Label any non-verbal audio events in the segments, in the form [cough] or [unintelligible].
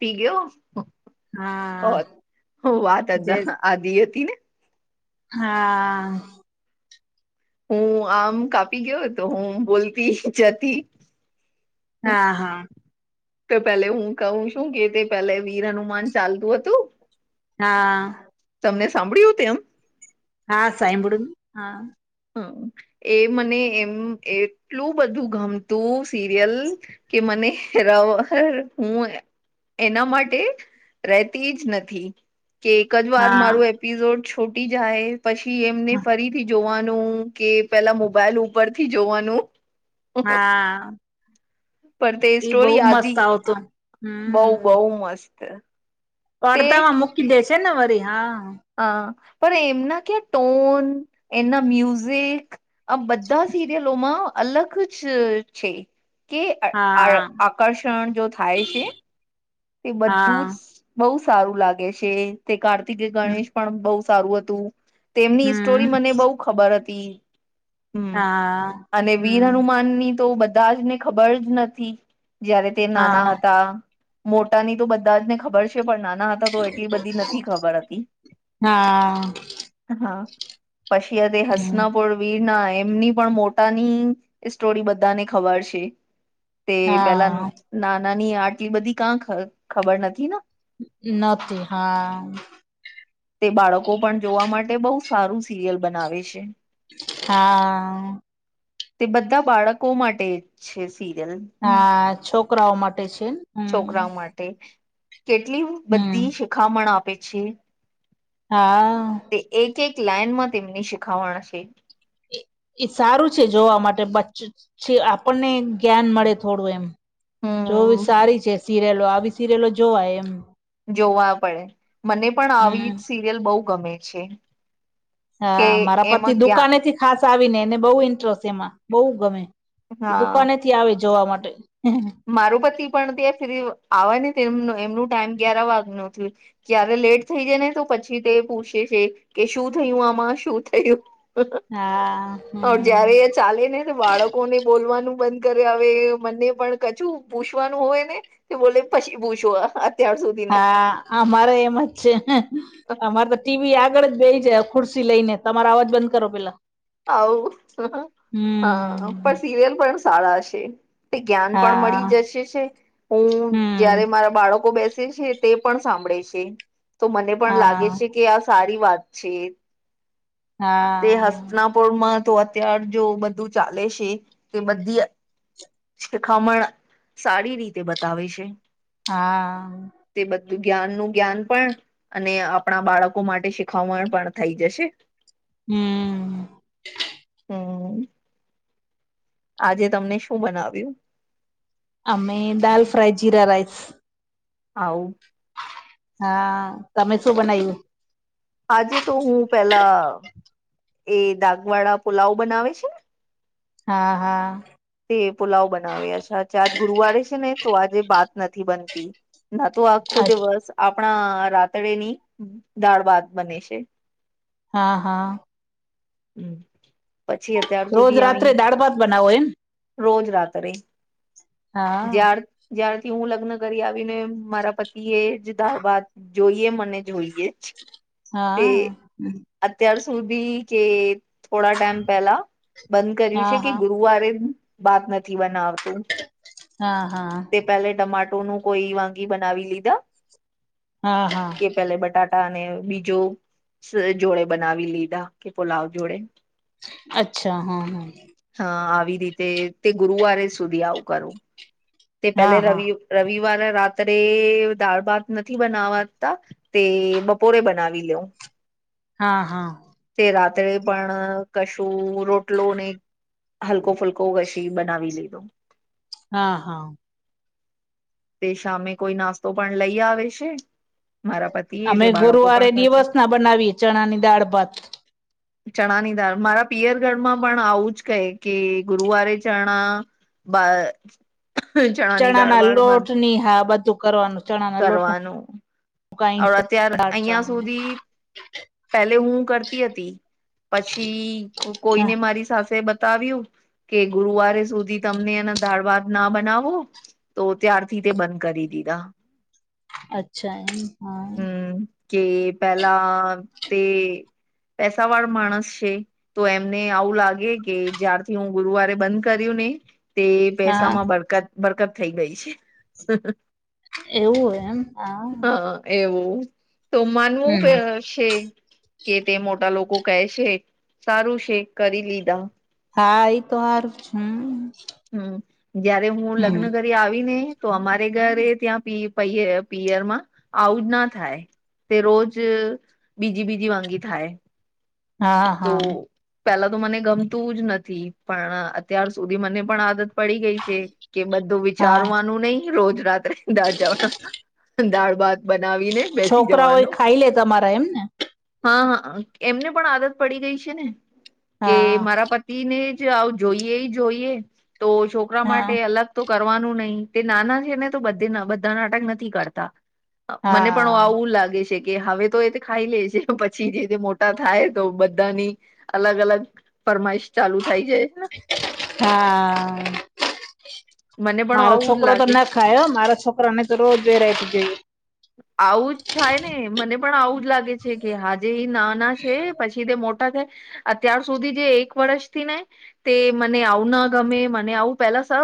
પી ગયો, હા જે [unintelligible] આધી હતી ને હા. હું, આમ કાપી ગયો હતો હું બોલતી જતી હા હા તો પેલે હું કહું છું કે તે પેલે વીર હનુમાન ચાલતું હતું હા તમને સાંભળ્યું હત એમ હા સાઈબુડું હા હમ એ મને એમ એટલું બધું ગમતું સિરિયલ કે મને રવો હું એના માટે રહેતી જ નથી કે એક જ વાર હા મારું એપિસોડ છોટી જાય પછી એમને ફરીથી જોવાનું કે પેલા મોબાઈલ ઉપર થી જોવાનું હા પણ તે ઈ બહુ સ્ટોરી મસ્ત આધી આવતો બઉ બહ મસ્ત તે પડતામાં મૂકી દે છે ને વરી હા હ પણ એમના ક્યાં ટોન, એમના મ્યુઝિક આ બધા સિરિયલોમાં અલગ જ છે. કે આ હા આકર્ષણ જો થાય છે.? તે બધું જ હા બહુ સારું લાગે છે તે કાર્તિકે હમ ગણેશ પણ બહ સારું હતું તેમની સ્ટોરી હમ મને બહુ ખબર હતી. હમ હા અને વીર હમ હનુમાન ની તો બધા જ ને ખબર જ નથી જયારે તે નાના હા હતા.? મોટાની તો બધા જને ખબર છે પણ નાના તો એટલી બધી નથી ખબર હતી હા હા, પછી તે હમ હસનાપુર વીરના એમની પણ મો પોતાની સ્ટોરી બધાને ખબર છે તે પેલા હા ના નાની આટલી બધી કાં ખબર નથીના નથી હા તે બાળકો પણ જોવા માટે બહુ સારું સિરિયલ બનાવે છે. હા [unintelligible] તે બધા બાળકો માટે છે સીરિયલ હા છોકરાઓ માટે છે. હમ છોકરાઓ માટે કેટલી હમ બધી શિખામણ આપે છે. હા તે એક એક લાઈનમાં તેમની શીખાવાણ છે એ સારું છે જોવા માટે બચ્ચ છે આપણને જ્ઞાન મળે થોડું એમ. જોવી હમ સારી છે સિરિયલો આવી સિરિયલો જોવાય એમ. જોવા પડે મને પણ હમ આવી સિરિયલ બહુ ગમે છે. કે હા મારા પતિ એમાં જ્ઞાન દુકાનેથી ખાસ આવી ને એને બહુ ઇન્ટરેસ્ટ એમાં બહુ ગમે એ દુકાન આવે જોવા માટે માર પતિ પણ ત્યાં ફ્રિ આવે હ એ એમનું ટાઈમ ગ્યાર વાગે નુ છે. ક્યારે લેટ થઈ જાય ને તો, પછી તે પૂછે છે કે શું થયું? આમાં શું થયું.? હા ઓર હમ જાવે ચાલે ને બાળકોને બોલવાનું બંધ કરે આવે મને પણ કચું પૂછવાનું હોય ને કે બોલે પછી પૂછવા? હા અમારે એમ જ છે ને અમારે તો ઈ ટીવી આગળ જ બેહી જાય ખુરશી લઈને તમારો અવાજ બંધ કરો પેલા આવું હા, હમ પણ સિરિયલ પણ સારા શે. તે જ્ઞાન પણ મળી હા જશે છે. હું હમ જયારે મારા બાળકો બેસે છે. તે પણ સાંભળે છે તો મને પણ હા લાગે છે કે આ સારી વાત છે. હા નાપોરમાં તો અત્યાર જો બધું ચાલે છે કે બધી શિખામણ સારી રીતે બતાવે છે. હા તે બધું જ્ઞાન નું જ્ઞાન પણ અને આપણા બાળકો માટે શીખવણ પણ થઈ જશે. હમ હમ આજે તમને શું બનાવ્યું આમે ડાલ ફ્રાય જીરા રાઈસ આવ હા તમે શું બનાવ્યું આજે તો હું પેલા એ દાગ વાળા પુલાવ બનાવે છે ને હા હા તે પુલાવ બનાવે આજ ગુરુવારે છે ને તો આજે બાત નથી બનતી ના તો આખો અચ દિવસ આપણા રાતડેની દાળ બાત બને છે હા હા હમ પછી અત્યાર રોજ સુધી રાત્રે આવીયા દાળ ભાત બનાવો એમ રોજ રાત્રે હા જ્યાર જ્યારથી હું લગ્ન કરી આવીને મારા પતિ એ જે દાળ ભાત જોઈએ મને જોઈએ જ તે હા અત્યાર સુધી કે થોડા ટાઈમ પેલા બંધ કર્યું હા છે કે હા ગુરુવારે બાત નથી બનાવતું હા હા કાલે ટમાટો નું કોઈ વાગી બનાવી લીધા હા હા કે પેલે બટા ટાને બીજો જોડે બનાવી લીધા કે પુલાવ જોડે અચ્છા હા હા હા આવી રીતે તે ગુરુવારે સુધી આવું કરું તે પેલે હા હા હા રવિ રવિવારે રાત્રે દાળ ભાત નથી બનાવાતા તે બપોરે બનાવી લઉ હા હા તે રાત્રે પણ કશું રોટલો ને હલકો ફુલ કોવસી બનાવી લીધો હા હા તે સામે કોઈ નાસ્તો પણ લઈ આવે છે મારા પતિ એ અમે તે બાળકો ગુરુવારે પણ ખાય છે દિવસ ના બનાવીએ ચણા ની દાળ ભાત ચણાનીદાળ મારા પિયરઘરમાં પણ આવું જ કહે કે ગુરુવારે ચણા બા ચણાની ચણા દાળ ના વાળ લોટ બંધ ની હા બધું કરવાનું ચણા ના લોટ નું કરવાનું કાઈન્ડ અત્યાર દાળ અહીંયા ચણા સુધી પેલે હું કરતી હતી પછી હા કોઈને મારી સાથે બતાવ્યું કે ગુરુવારે સુધી તમને એના દાળ ભાત ના બનાવો તો ત્યારથી તે બંધ કરી દીધા અચ્છા એમ હા હમ કે પેલા તે પેસા વાળ માણસ છે તો એમને આવું લાગ કેકે જ્યારથી હું ગુરુવારે બંધ કર્યું નઈ તે હા પૈસામાં બરકત બરકત થઈ ગઈ છે એવું હોય એમ હા એવું તો માનવું ક હમ. છે કે તે મોટા લોકો કે છે સારું છે કરી લીધા હા ઈ તો હારું હમ હમ જયારે હું હમ. લગ્ન કર આવી ને તો અમારે ઘરે ત્યાં પિયરમાં આવું જ ના થાય. તે રોજ બીજી બીજી વાંગી થાય. હા તો હા પેલા તો મને ગમતું જ નથી. પણ અત્યાર સુધી મને. પણ આદત પડી ગઈ છે. કે બધું હા વિચારવાનું નહી રોજ રાત. દાળ જવાનું દાળ ભાત બનાવીને, બેસી છોકરાઓ એ જવાનું. ખાઈ લે તમારા એમને હા હા! એમને પણ આદત પડી ગઈ છે ને. કે હા મારા પ. ને જ આવ જોઈએ જોઈએ. તો છોકરા માટે હા અલગ. તો કરવાનું નહી. તે નાના છે ને. તો બધ બધા નાટક નથી કરતા. મને પણ હા આવું લાગે છે કે હવે. તો એ ખાઈ લે છે. પછી જે તે મોટા થાય તો બધાની અલગ અલગ. ફરમાઈશ ચાલુ થઈ જાય ને. હા! મને પણ મારો આવું જ છોકરો તો લાગે છે ના ખાય. મારા છોકરા ને તો રોજ વેરાયટી જોઈ. આવું જ થાય ને. મને પણ આવું જ લાગે છે. કે હજે એ નાના છે. પછી તે મોટ. અત્યાર સુધી જે એક વર્ષથી ને. તે મને આવું ના ગમે, મને આવું પેલા સ.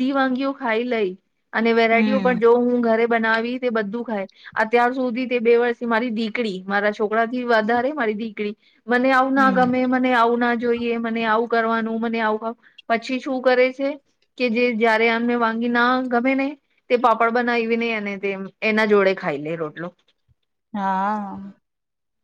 ધી વાનગીઓ ખાઈ લઈ. અને વેરાયટીઓ હમ પણ જો હું ઘરે બનાવી તે, બધું ખાય. અત્યાર સુધી તે બે વર્ષથી મારી દીકરી, મારા છોકરા થી વધારે મારી દીકરી. મને આવું ના હમ ગમે, મને આવું ના જોઈ. મને આવું કરવાનું. મ આવું પછી શું કરે છે, કે જે. જ્યારે આનમે વાગી ના ગમે ને. તે પાપડ બનાવીવી નહી અને તે, એના જોડે ખાઈ લે રોટલો. હા!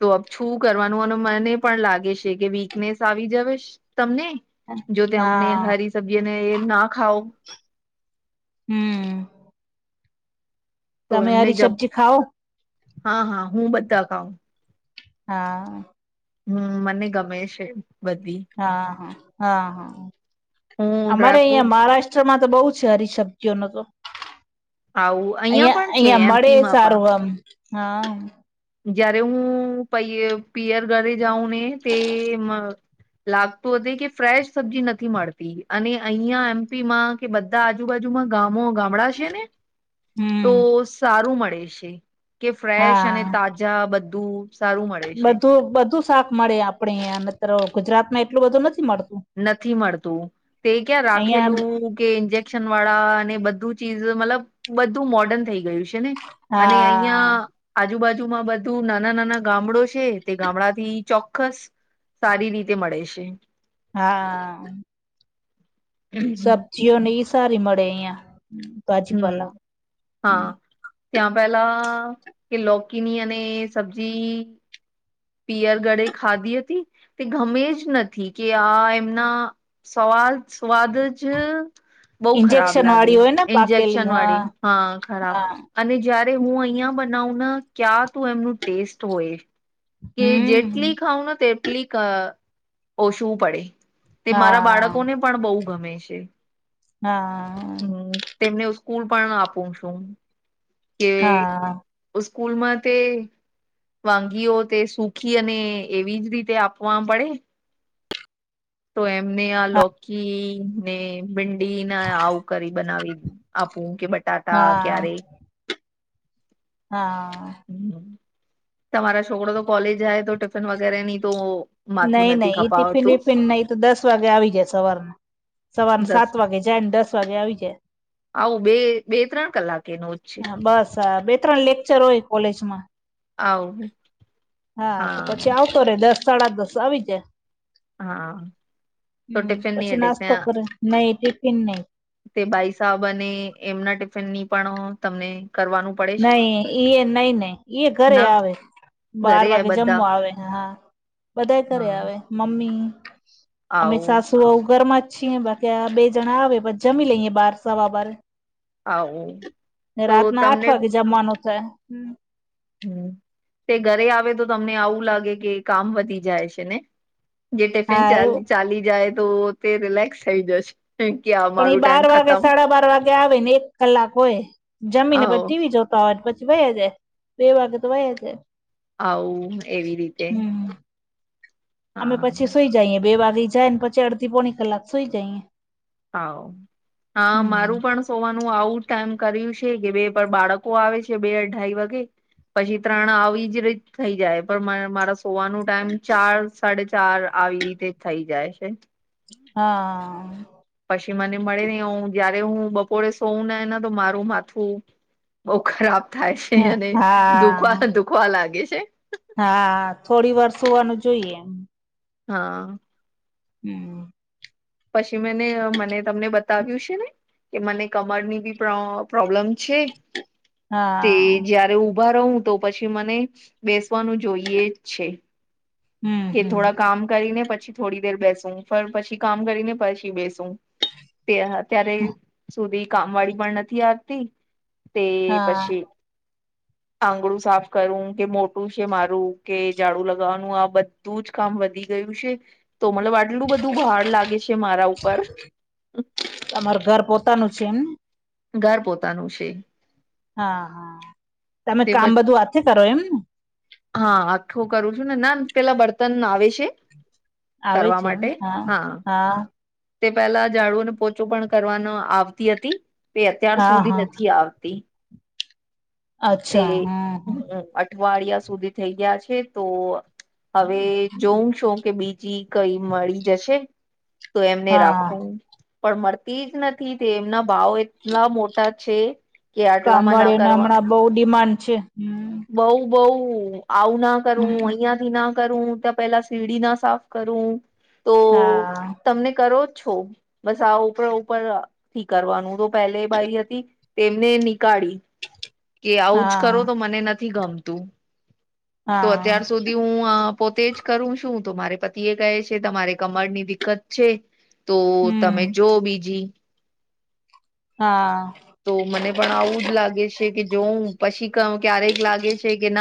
તો છું કરવાનું, અને મને પણ લાગે છે. કે વીકનેસ આવી જવે. તમને જો તે, અમને હા હરી સબ્જી અને ના ખાવ. હમ! તો તમે એમને હરી જબ. સબ્જી ખાઓ હા હા હું બધા ખાઉં. હા! હમ! મને ગમે છે બધી. હા હા હા હા! હું અમારે અહિયાં ડ્રાયફ્રૂટ મહારાષ્ટ્ર. કછરમાં તો બહુ છે. હરી સબ્જીઓનો તો. આવું અહિયાં પણ છે અહિયાં મળે એમપીમાં સારું પણ આમ હા. જયારે હું પ પિયર ઘરે જાઉં ને, તે. લાગતું હત કે ફ્રેશ સબ્જી નથી મળતી. અને અહિયાં એમપીમાં કે બધ. આજુબાજુમાં ગામો ગ. ને તો હમ સારું મળે છે. કે ફ્રેશ અને. હા તાજા બધું સારું મળે છે. બધું બધું. શાક મળે. આપણેે મ ગુજરાત માં એટલું બધું નથી મળતું. નથી મળતું. તે ક્યાં અહિયાં રાખેલું. કે ઇન્જેક્શન વાળા અને બધું ચીઝ મતલબ બધું મોર્ડર્ન થઇ ગયું છે. ને અને હા અહિયાં. આજુબાજુમાં બધું નાના નાના ગામડો છે. તે ગામડા થી ચોક્કસ. સારી રીતે મળે છે. હા! હમ સબ્જીઓ ને સારી મળેયા. હમ હા. ત્યાં પેલા કે લોકીની અને સબ્જી. પિયર ગળે ખાધી હતી તે ગમે જ નથી કે આ એમના. સવાદ સ્વાદ જ બઉ ખરાબ ઇન્જેક્શન લાગે વાળી હોય ને પાકેલી ઇન્જેકશન હા વાળી હા ખરાબ. હા અને જયારે હું અહિયાં બનાવ ક્યાં તું એમનું ટેસ્ટ હોય. કે જેટલી હમ ખાવ ને તેટલી ઓછવું પડે તે મારા હા બાળકોને પણ બહ ગમે છે હા હમ તેમને હ સ્કૂલ પણ આપું છું કે હા સ્કૂલમાં તે વાનગીઓ તે સુખી અને એવી જ રીતે આપવા પડે તો એમને આ લોકી ને ભિંડીને આવું કરી બનાવી આપું કે બટાટા હા ક્યારે હા હ તમારા છોકરો તો કોલેજ જાય તો ટિફિન વગેરે ની તો માથું નઈ નથી નઈ ઈ ટિફિન ખપાવતું વિીફિન નઈ તો દસ વાગે આવી જાય સવારમાં સવારને દસ સાત વાગે જાય ને દસ વાગે આવી જાય આવું બે બે ત્રણ કલાક હા બસ હા બે ત્રણ લેક્ચર હોય કોલેજમાં આવું હા તો પછી આવતો રહે દસ સાડા દસ આવી જાય હા તો હમ ટિફિન ની પછી અટેક નાસ્તો કરે નહી ટિફિન નહીિ તે બાઈ સાબ અને એમના ટિફિનની પણ તમને કરવાનું પડે છે નઈ નઈ નહ ઈ ને ઘરે ના આવે બાર ઘરે વાગે બધા જમવા આવે હા બધા કરે હા આવે મમ્મી અમિત આવું સાસ ું ઘર માં જ છીએ બાકી બે જણા આવે પછ જમી લઈએ બાર સવા બાર હ તો તમને જમાનતા હમ હમ તે ઘરે આવે તો તમને આવું લાગે કે કામ વધી જાય છે ને જે ટિફિન હા એવું ચાલી જાય તો તે રિલેક્સ થઈ જશે પણ એ મારું બાર ટાઈમ વાગે ખતમ સાડા બાર વાગે આવે ને એક કલાક હોય જમીને પ આવો ટીવી જો પ પછી વહ્યા જાય બે વાગે તો વહ્યા જાય આવું એવી રીતે હમ અમે પછી સુઈ જઈએ બે વાગી જાય ને પછી અડધી પોણી કલાક સુઈ જઈએ હા હા હમ. મારું પણ સોવાનું આવું ટાઈમ કર્યું છે કે બે બાળકો આવે છે બે અઢાઈ વાગે પછી ત્રણ આવી જ રીત થઈ જાય પણ મારા સોવાનું ટાઈમ ચાર સાડે ચાર આવી રીતે થઈ જાય છે હા પછી મને મળે નહી હ જયારે હું બપોરે સોવં ને તો મારું માથું બઉ ખરાબ થાય છે અને હા દુખવા દુખવા લાગે છે હા થોડી વારષ હોવાનું જોઈએ એમ હા હમ પછી મેને મને તમને બતાવ્યું છે ને કે મને કમર ની બીો પ્રોબ્લમ છે તે હા જયારે ઉઊભા રહું તો પછી મને બેસવાનું જોઈએ જ છે હમ કે હમ થોડા કામ કરીને પછી થોડી દેર બેસુ પછી કામ કરીને પછી બેસુ અત્યારે સુધી કામ વાળી પણ નથી આવતી તે હા પછી આંગળું સાફ કરવું કે મોટું છે મારું કે ઝાડું લગાવવાનું, આ બધુ બધું જ કામ વધી ગયું છે તો મતલબ આટલું બધું ભાર લાગે છે મારા ઉપર. તમારે ઘર પોતાનું છે એમ? ઘર પોતાનું છે. હા હા તમે તે પ કામ બધું હાથથી કરો એમને હા આખું કરું છું ને ના પેલા બર્તન આવે છે. આવે કરવા છે એમ માટે હા હા તે પેલા ઝાડુ ને પોછું પણ કરવા આવતી હતી એ અત્યાર હા સુધી હા નથી આવતી. તે અચ્છા હમ અઠવાડિયા સુધી થઈ ગયા છે તો હવે જોઉં શું કે બીજી કોઈ મળી જશે.? તો એમને હા રાખું પણ મળતી જ નથી તે એમના ભાવ એટલા મોટા છે કે આટલા માં ના કામવાળીઓને કરવા હમણાં બહુ ડીમાન્ડ છે. બઉ બઉ આવું ના કરું હમ અહિયાં ના કરું ત્યાં પેલા સીડી ના સાફ કરું. તો હા તમને કરો જ છો બસ આ ઉપર ઉપર થી કરવાનું તો પેલે બાઈ હતી તેમને નીકાળી કે આવુંજ હા કરો તો મને નથી ગમતું. તો હા અત્યાર સુધી હું પોતે જ કરું શું તો મારે પતિ એ કહે છે તમારે કમર ની દિકકત છે. તો હમ તમે જો બીજી હા! તો મને પણ આવું જ લાગે છે કે જોઉં પછી ક્યારેક લાગે છે કે ના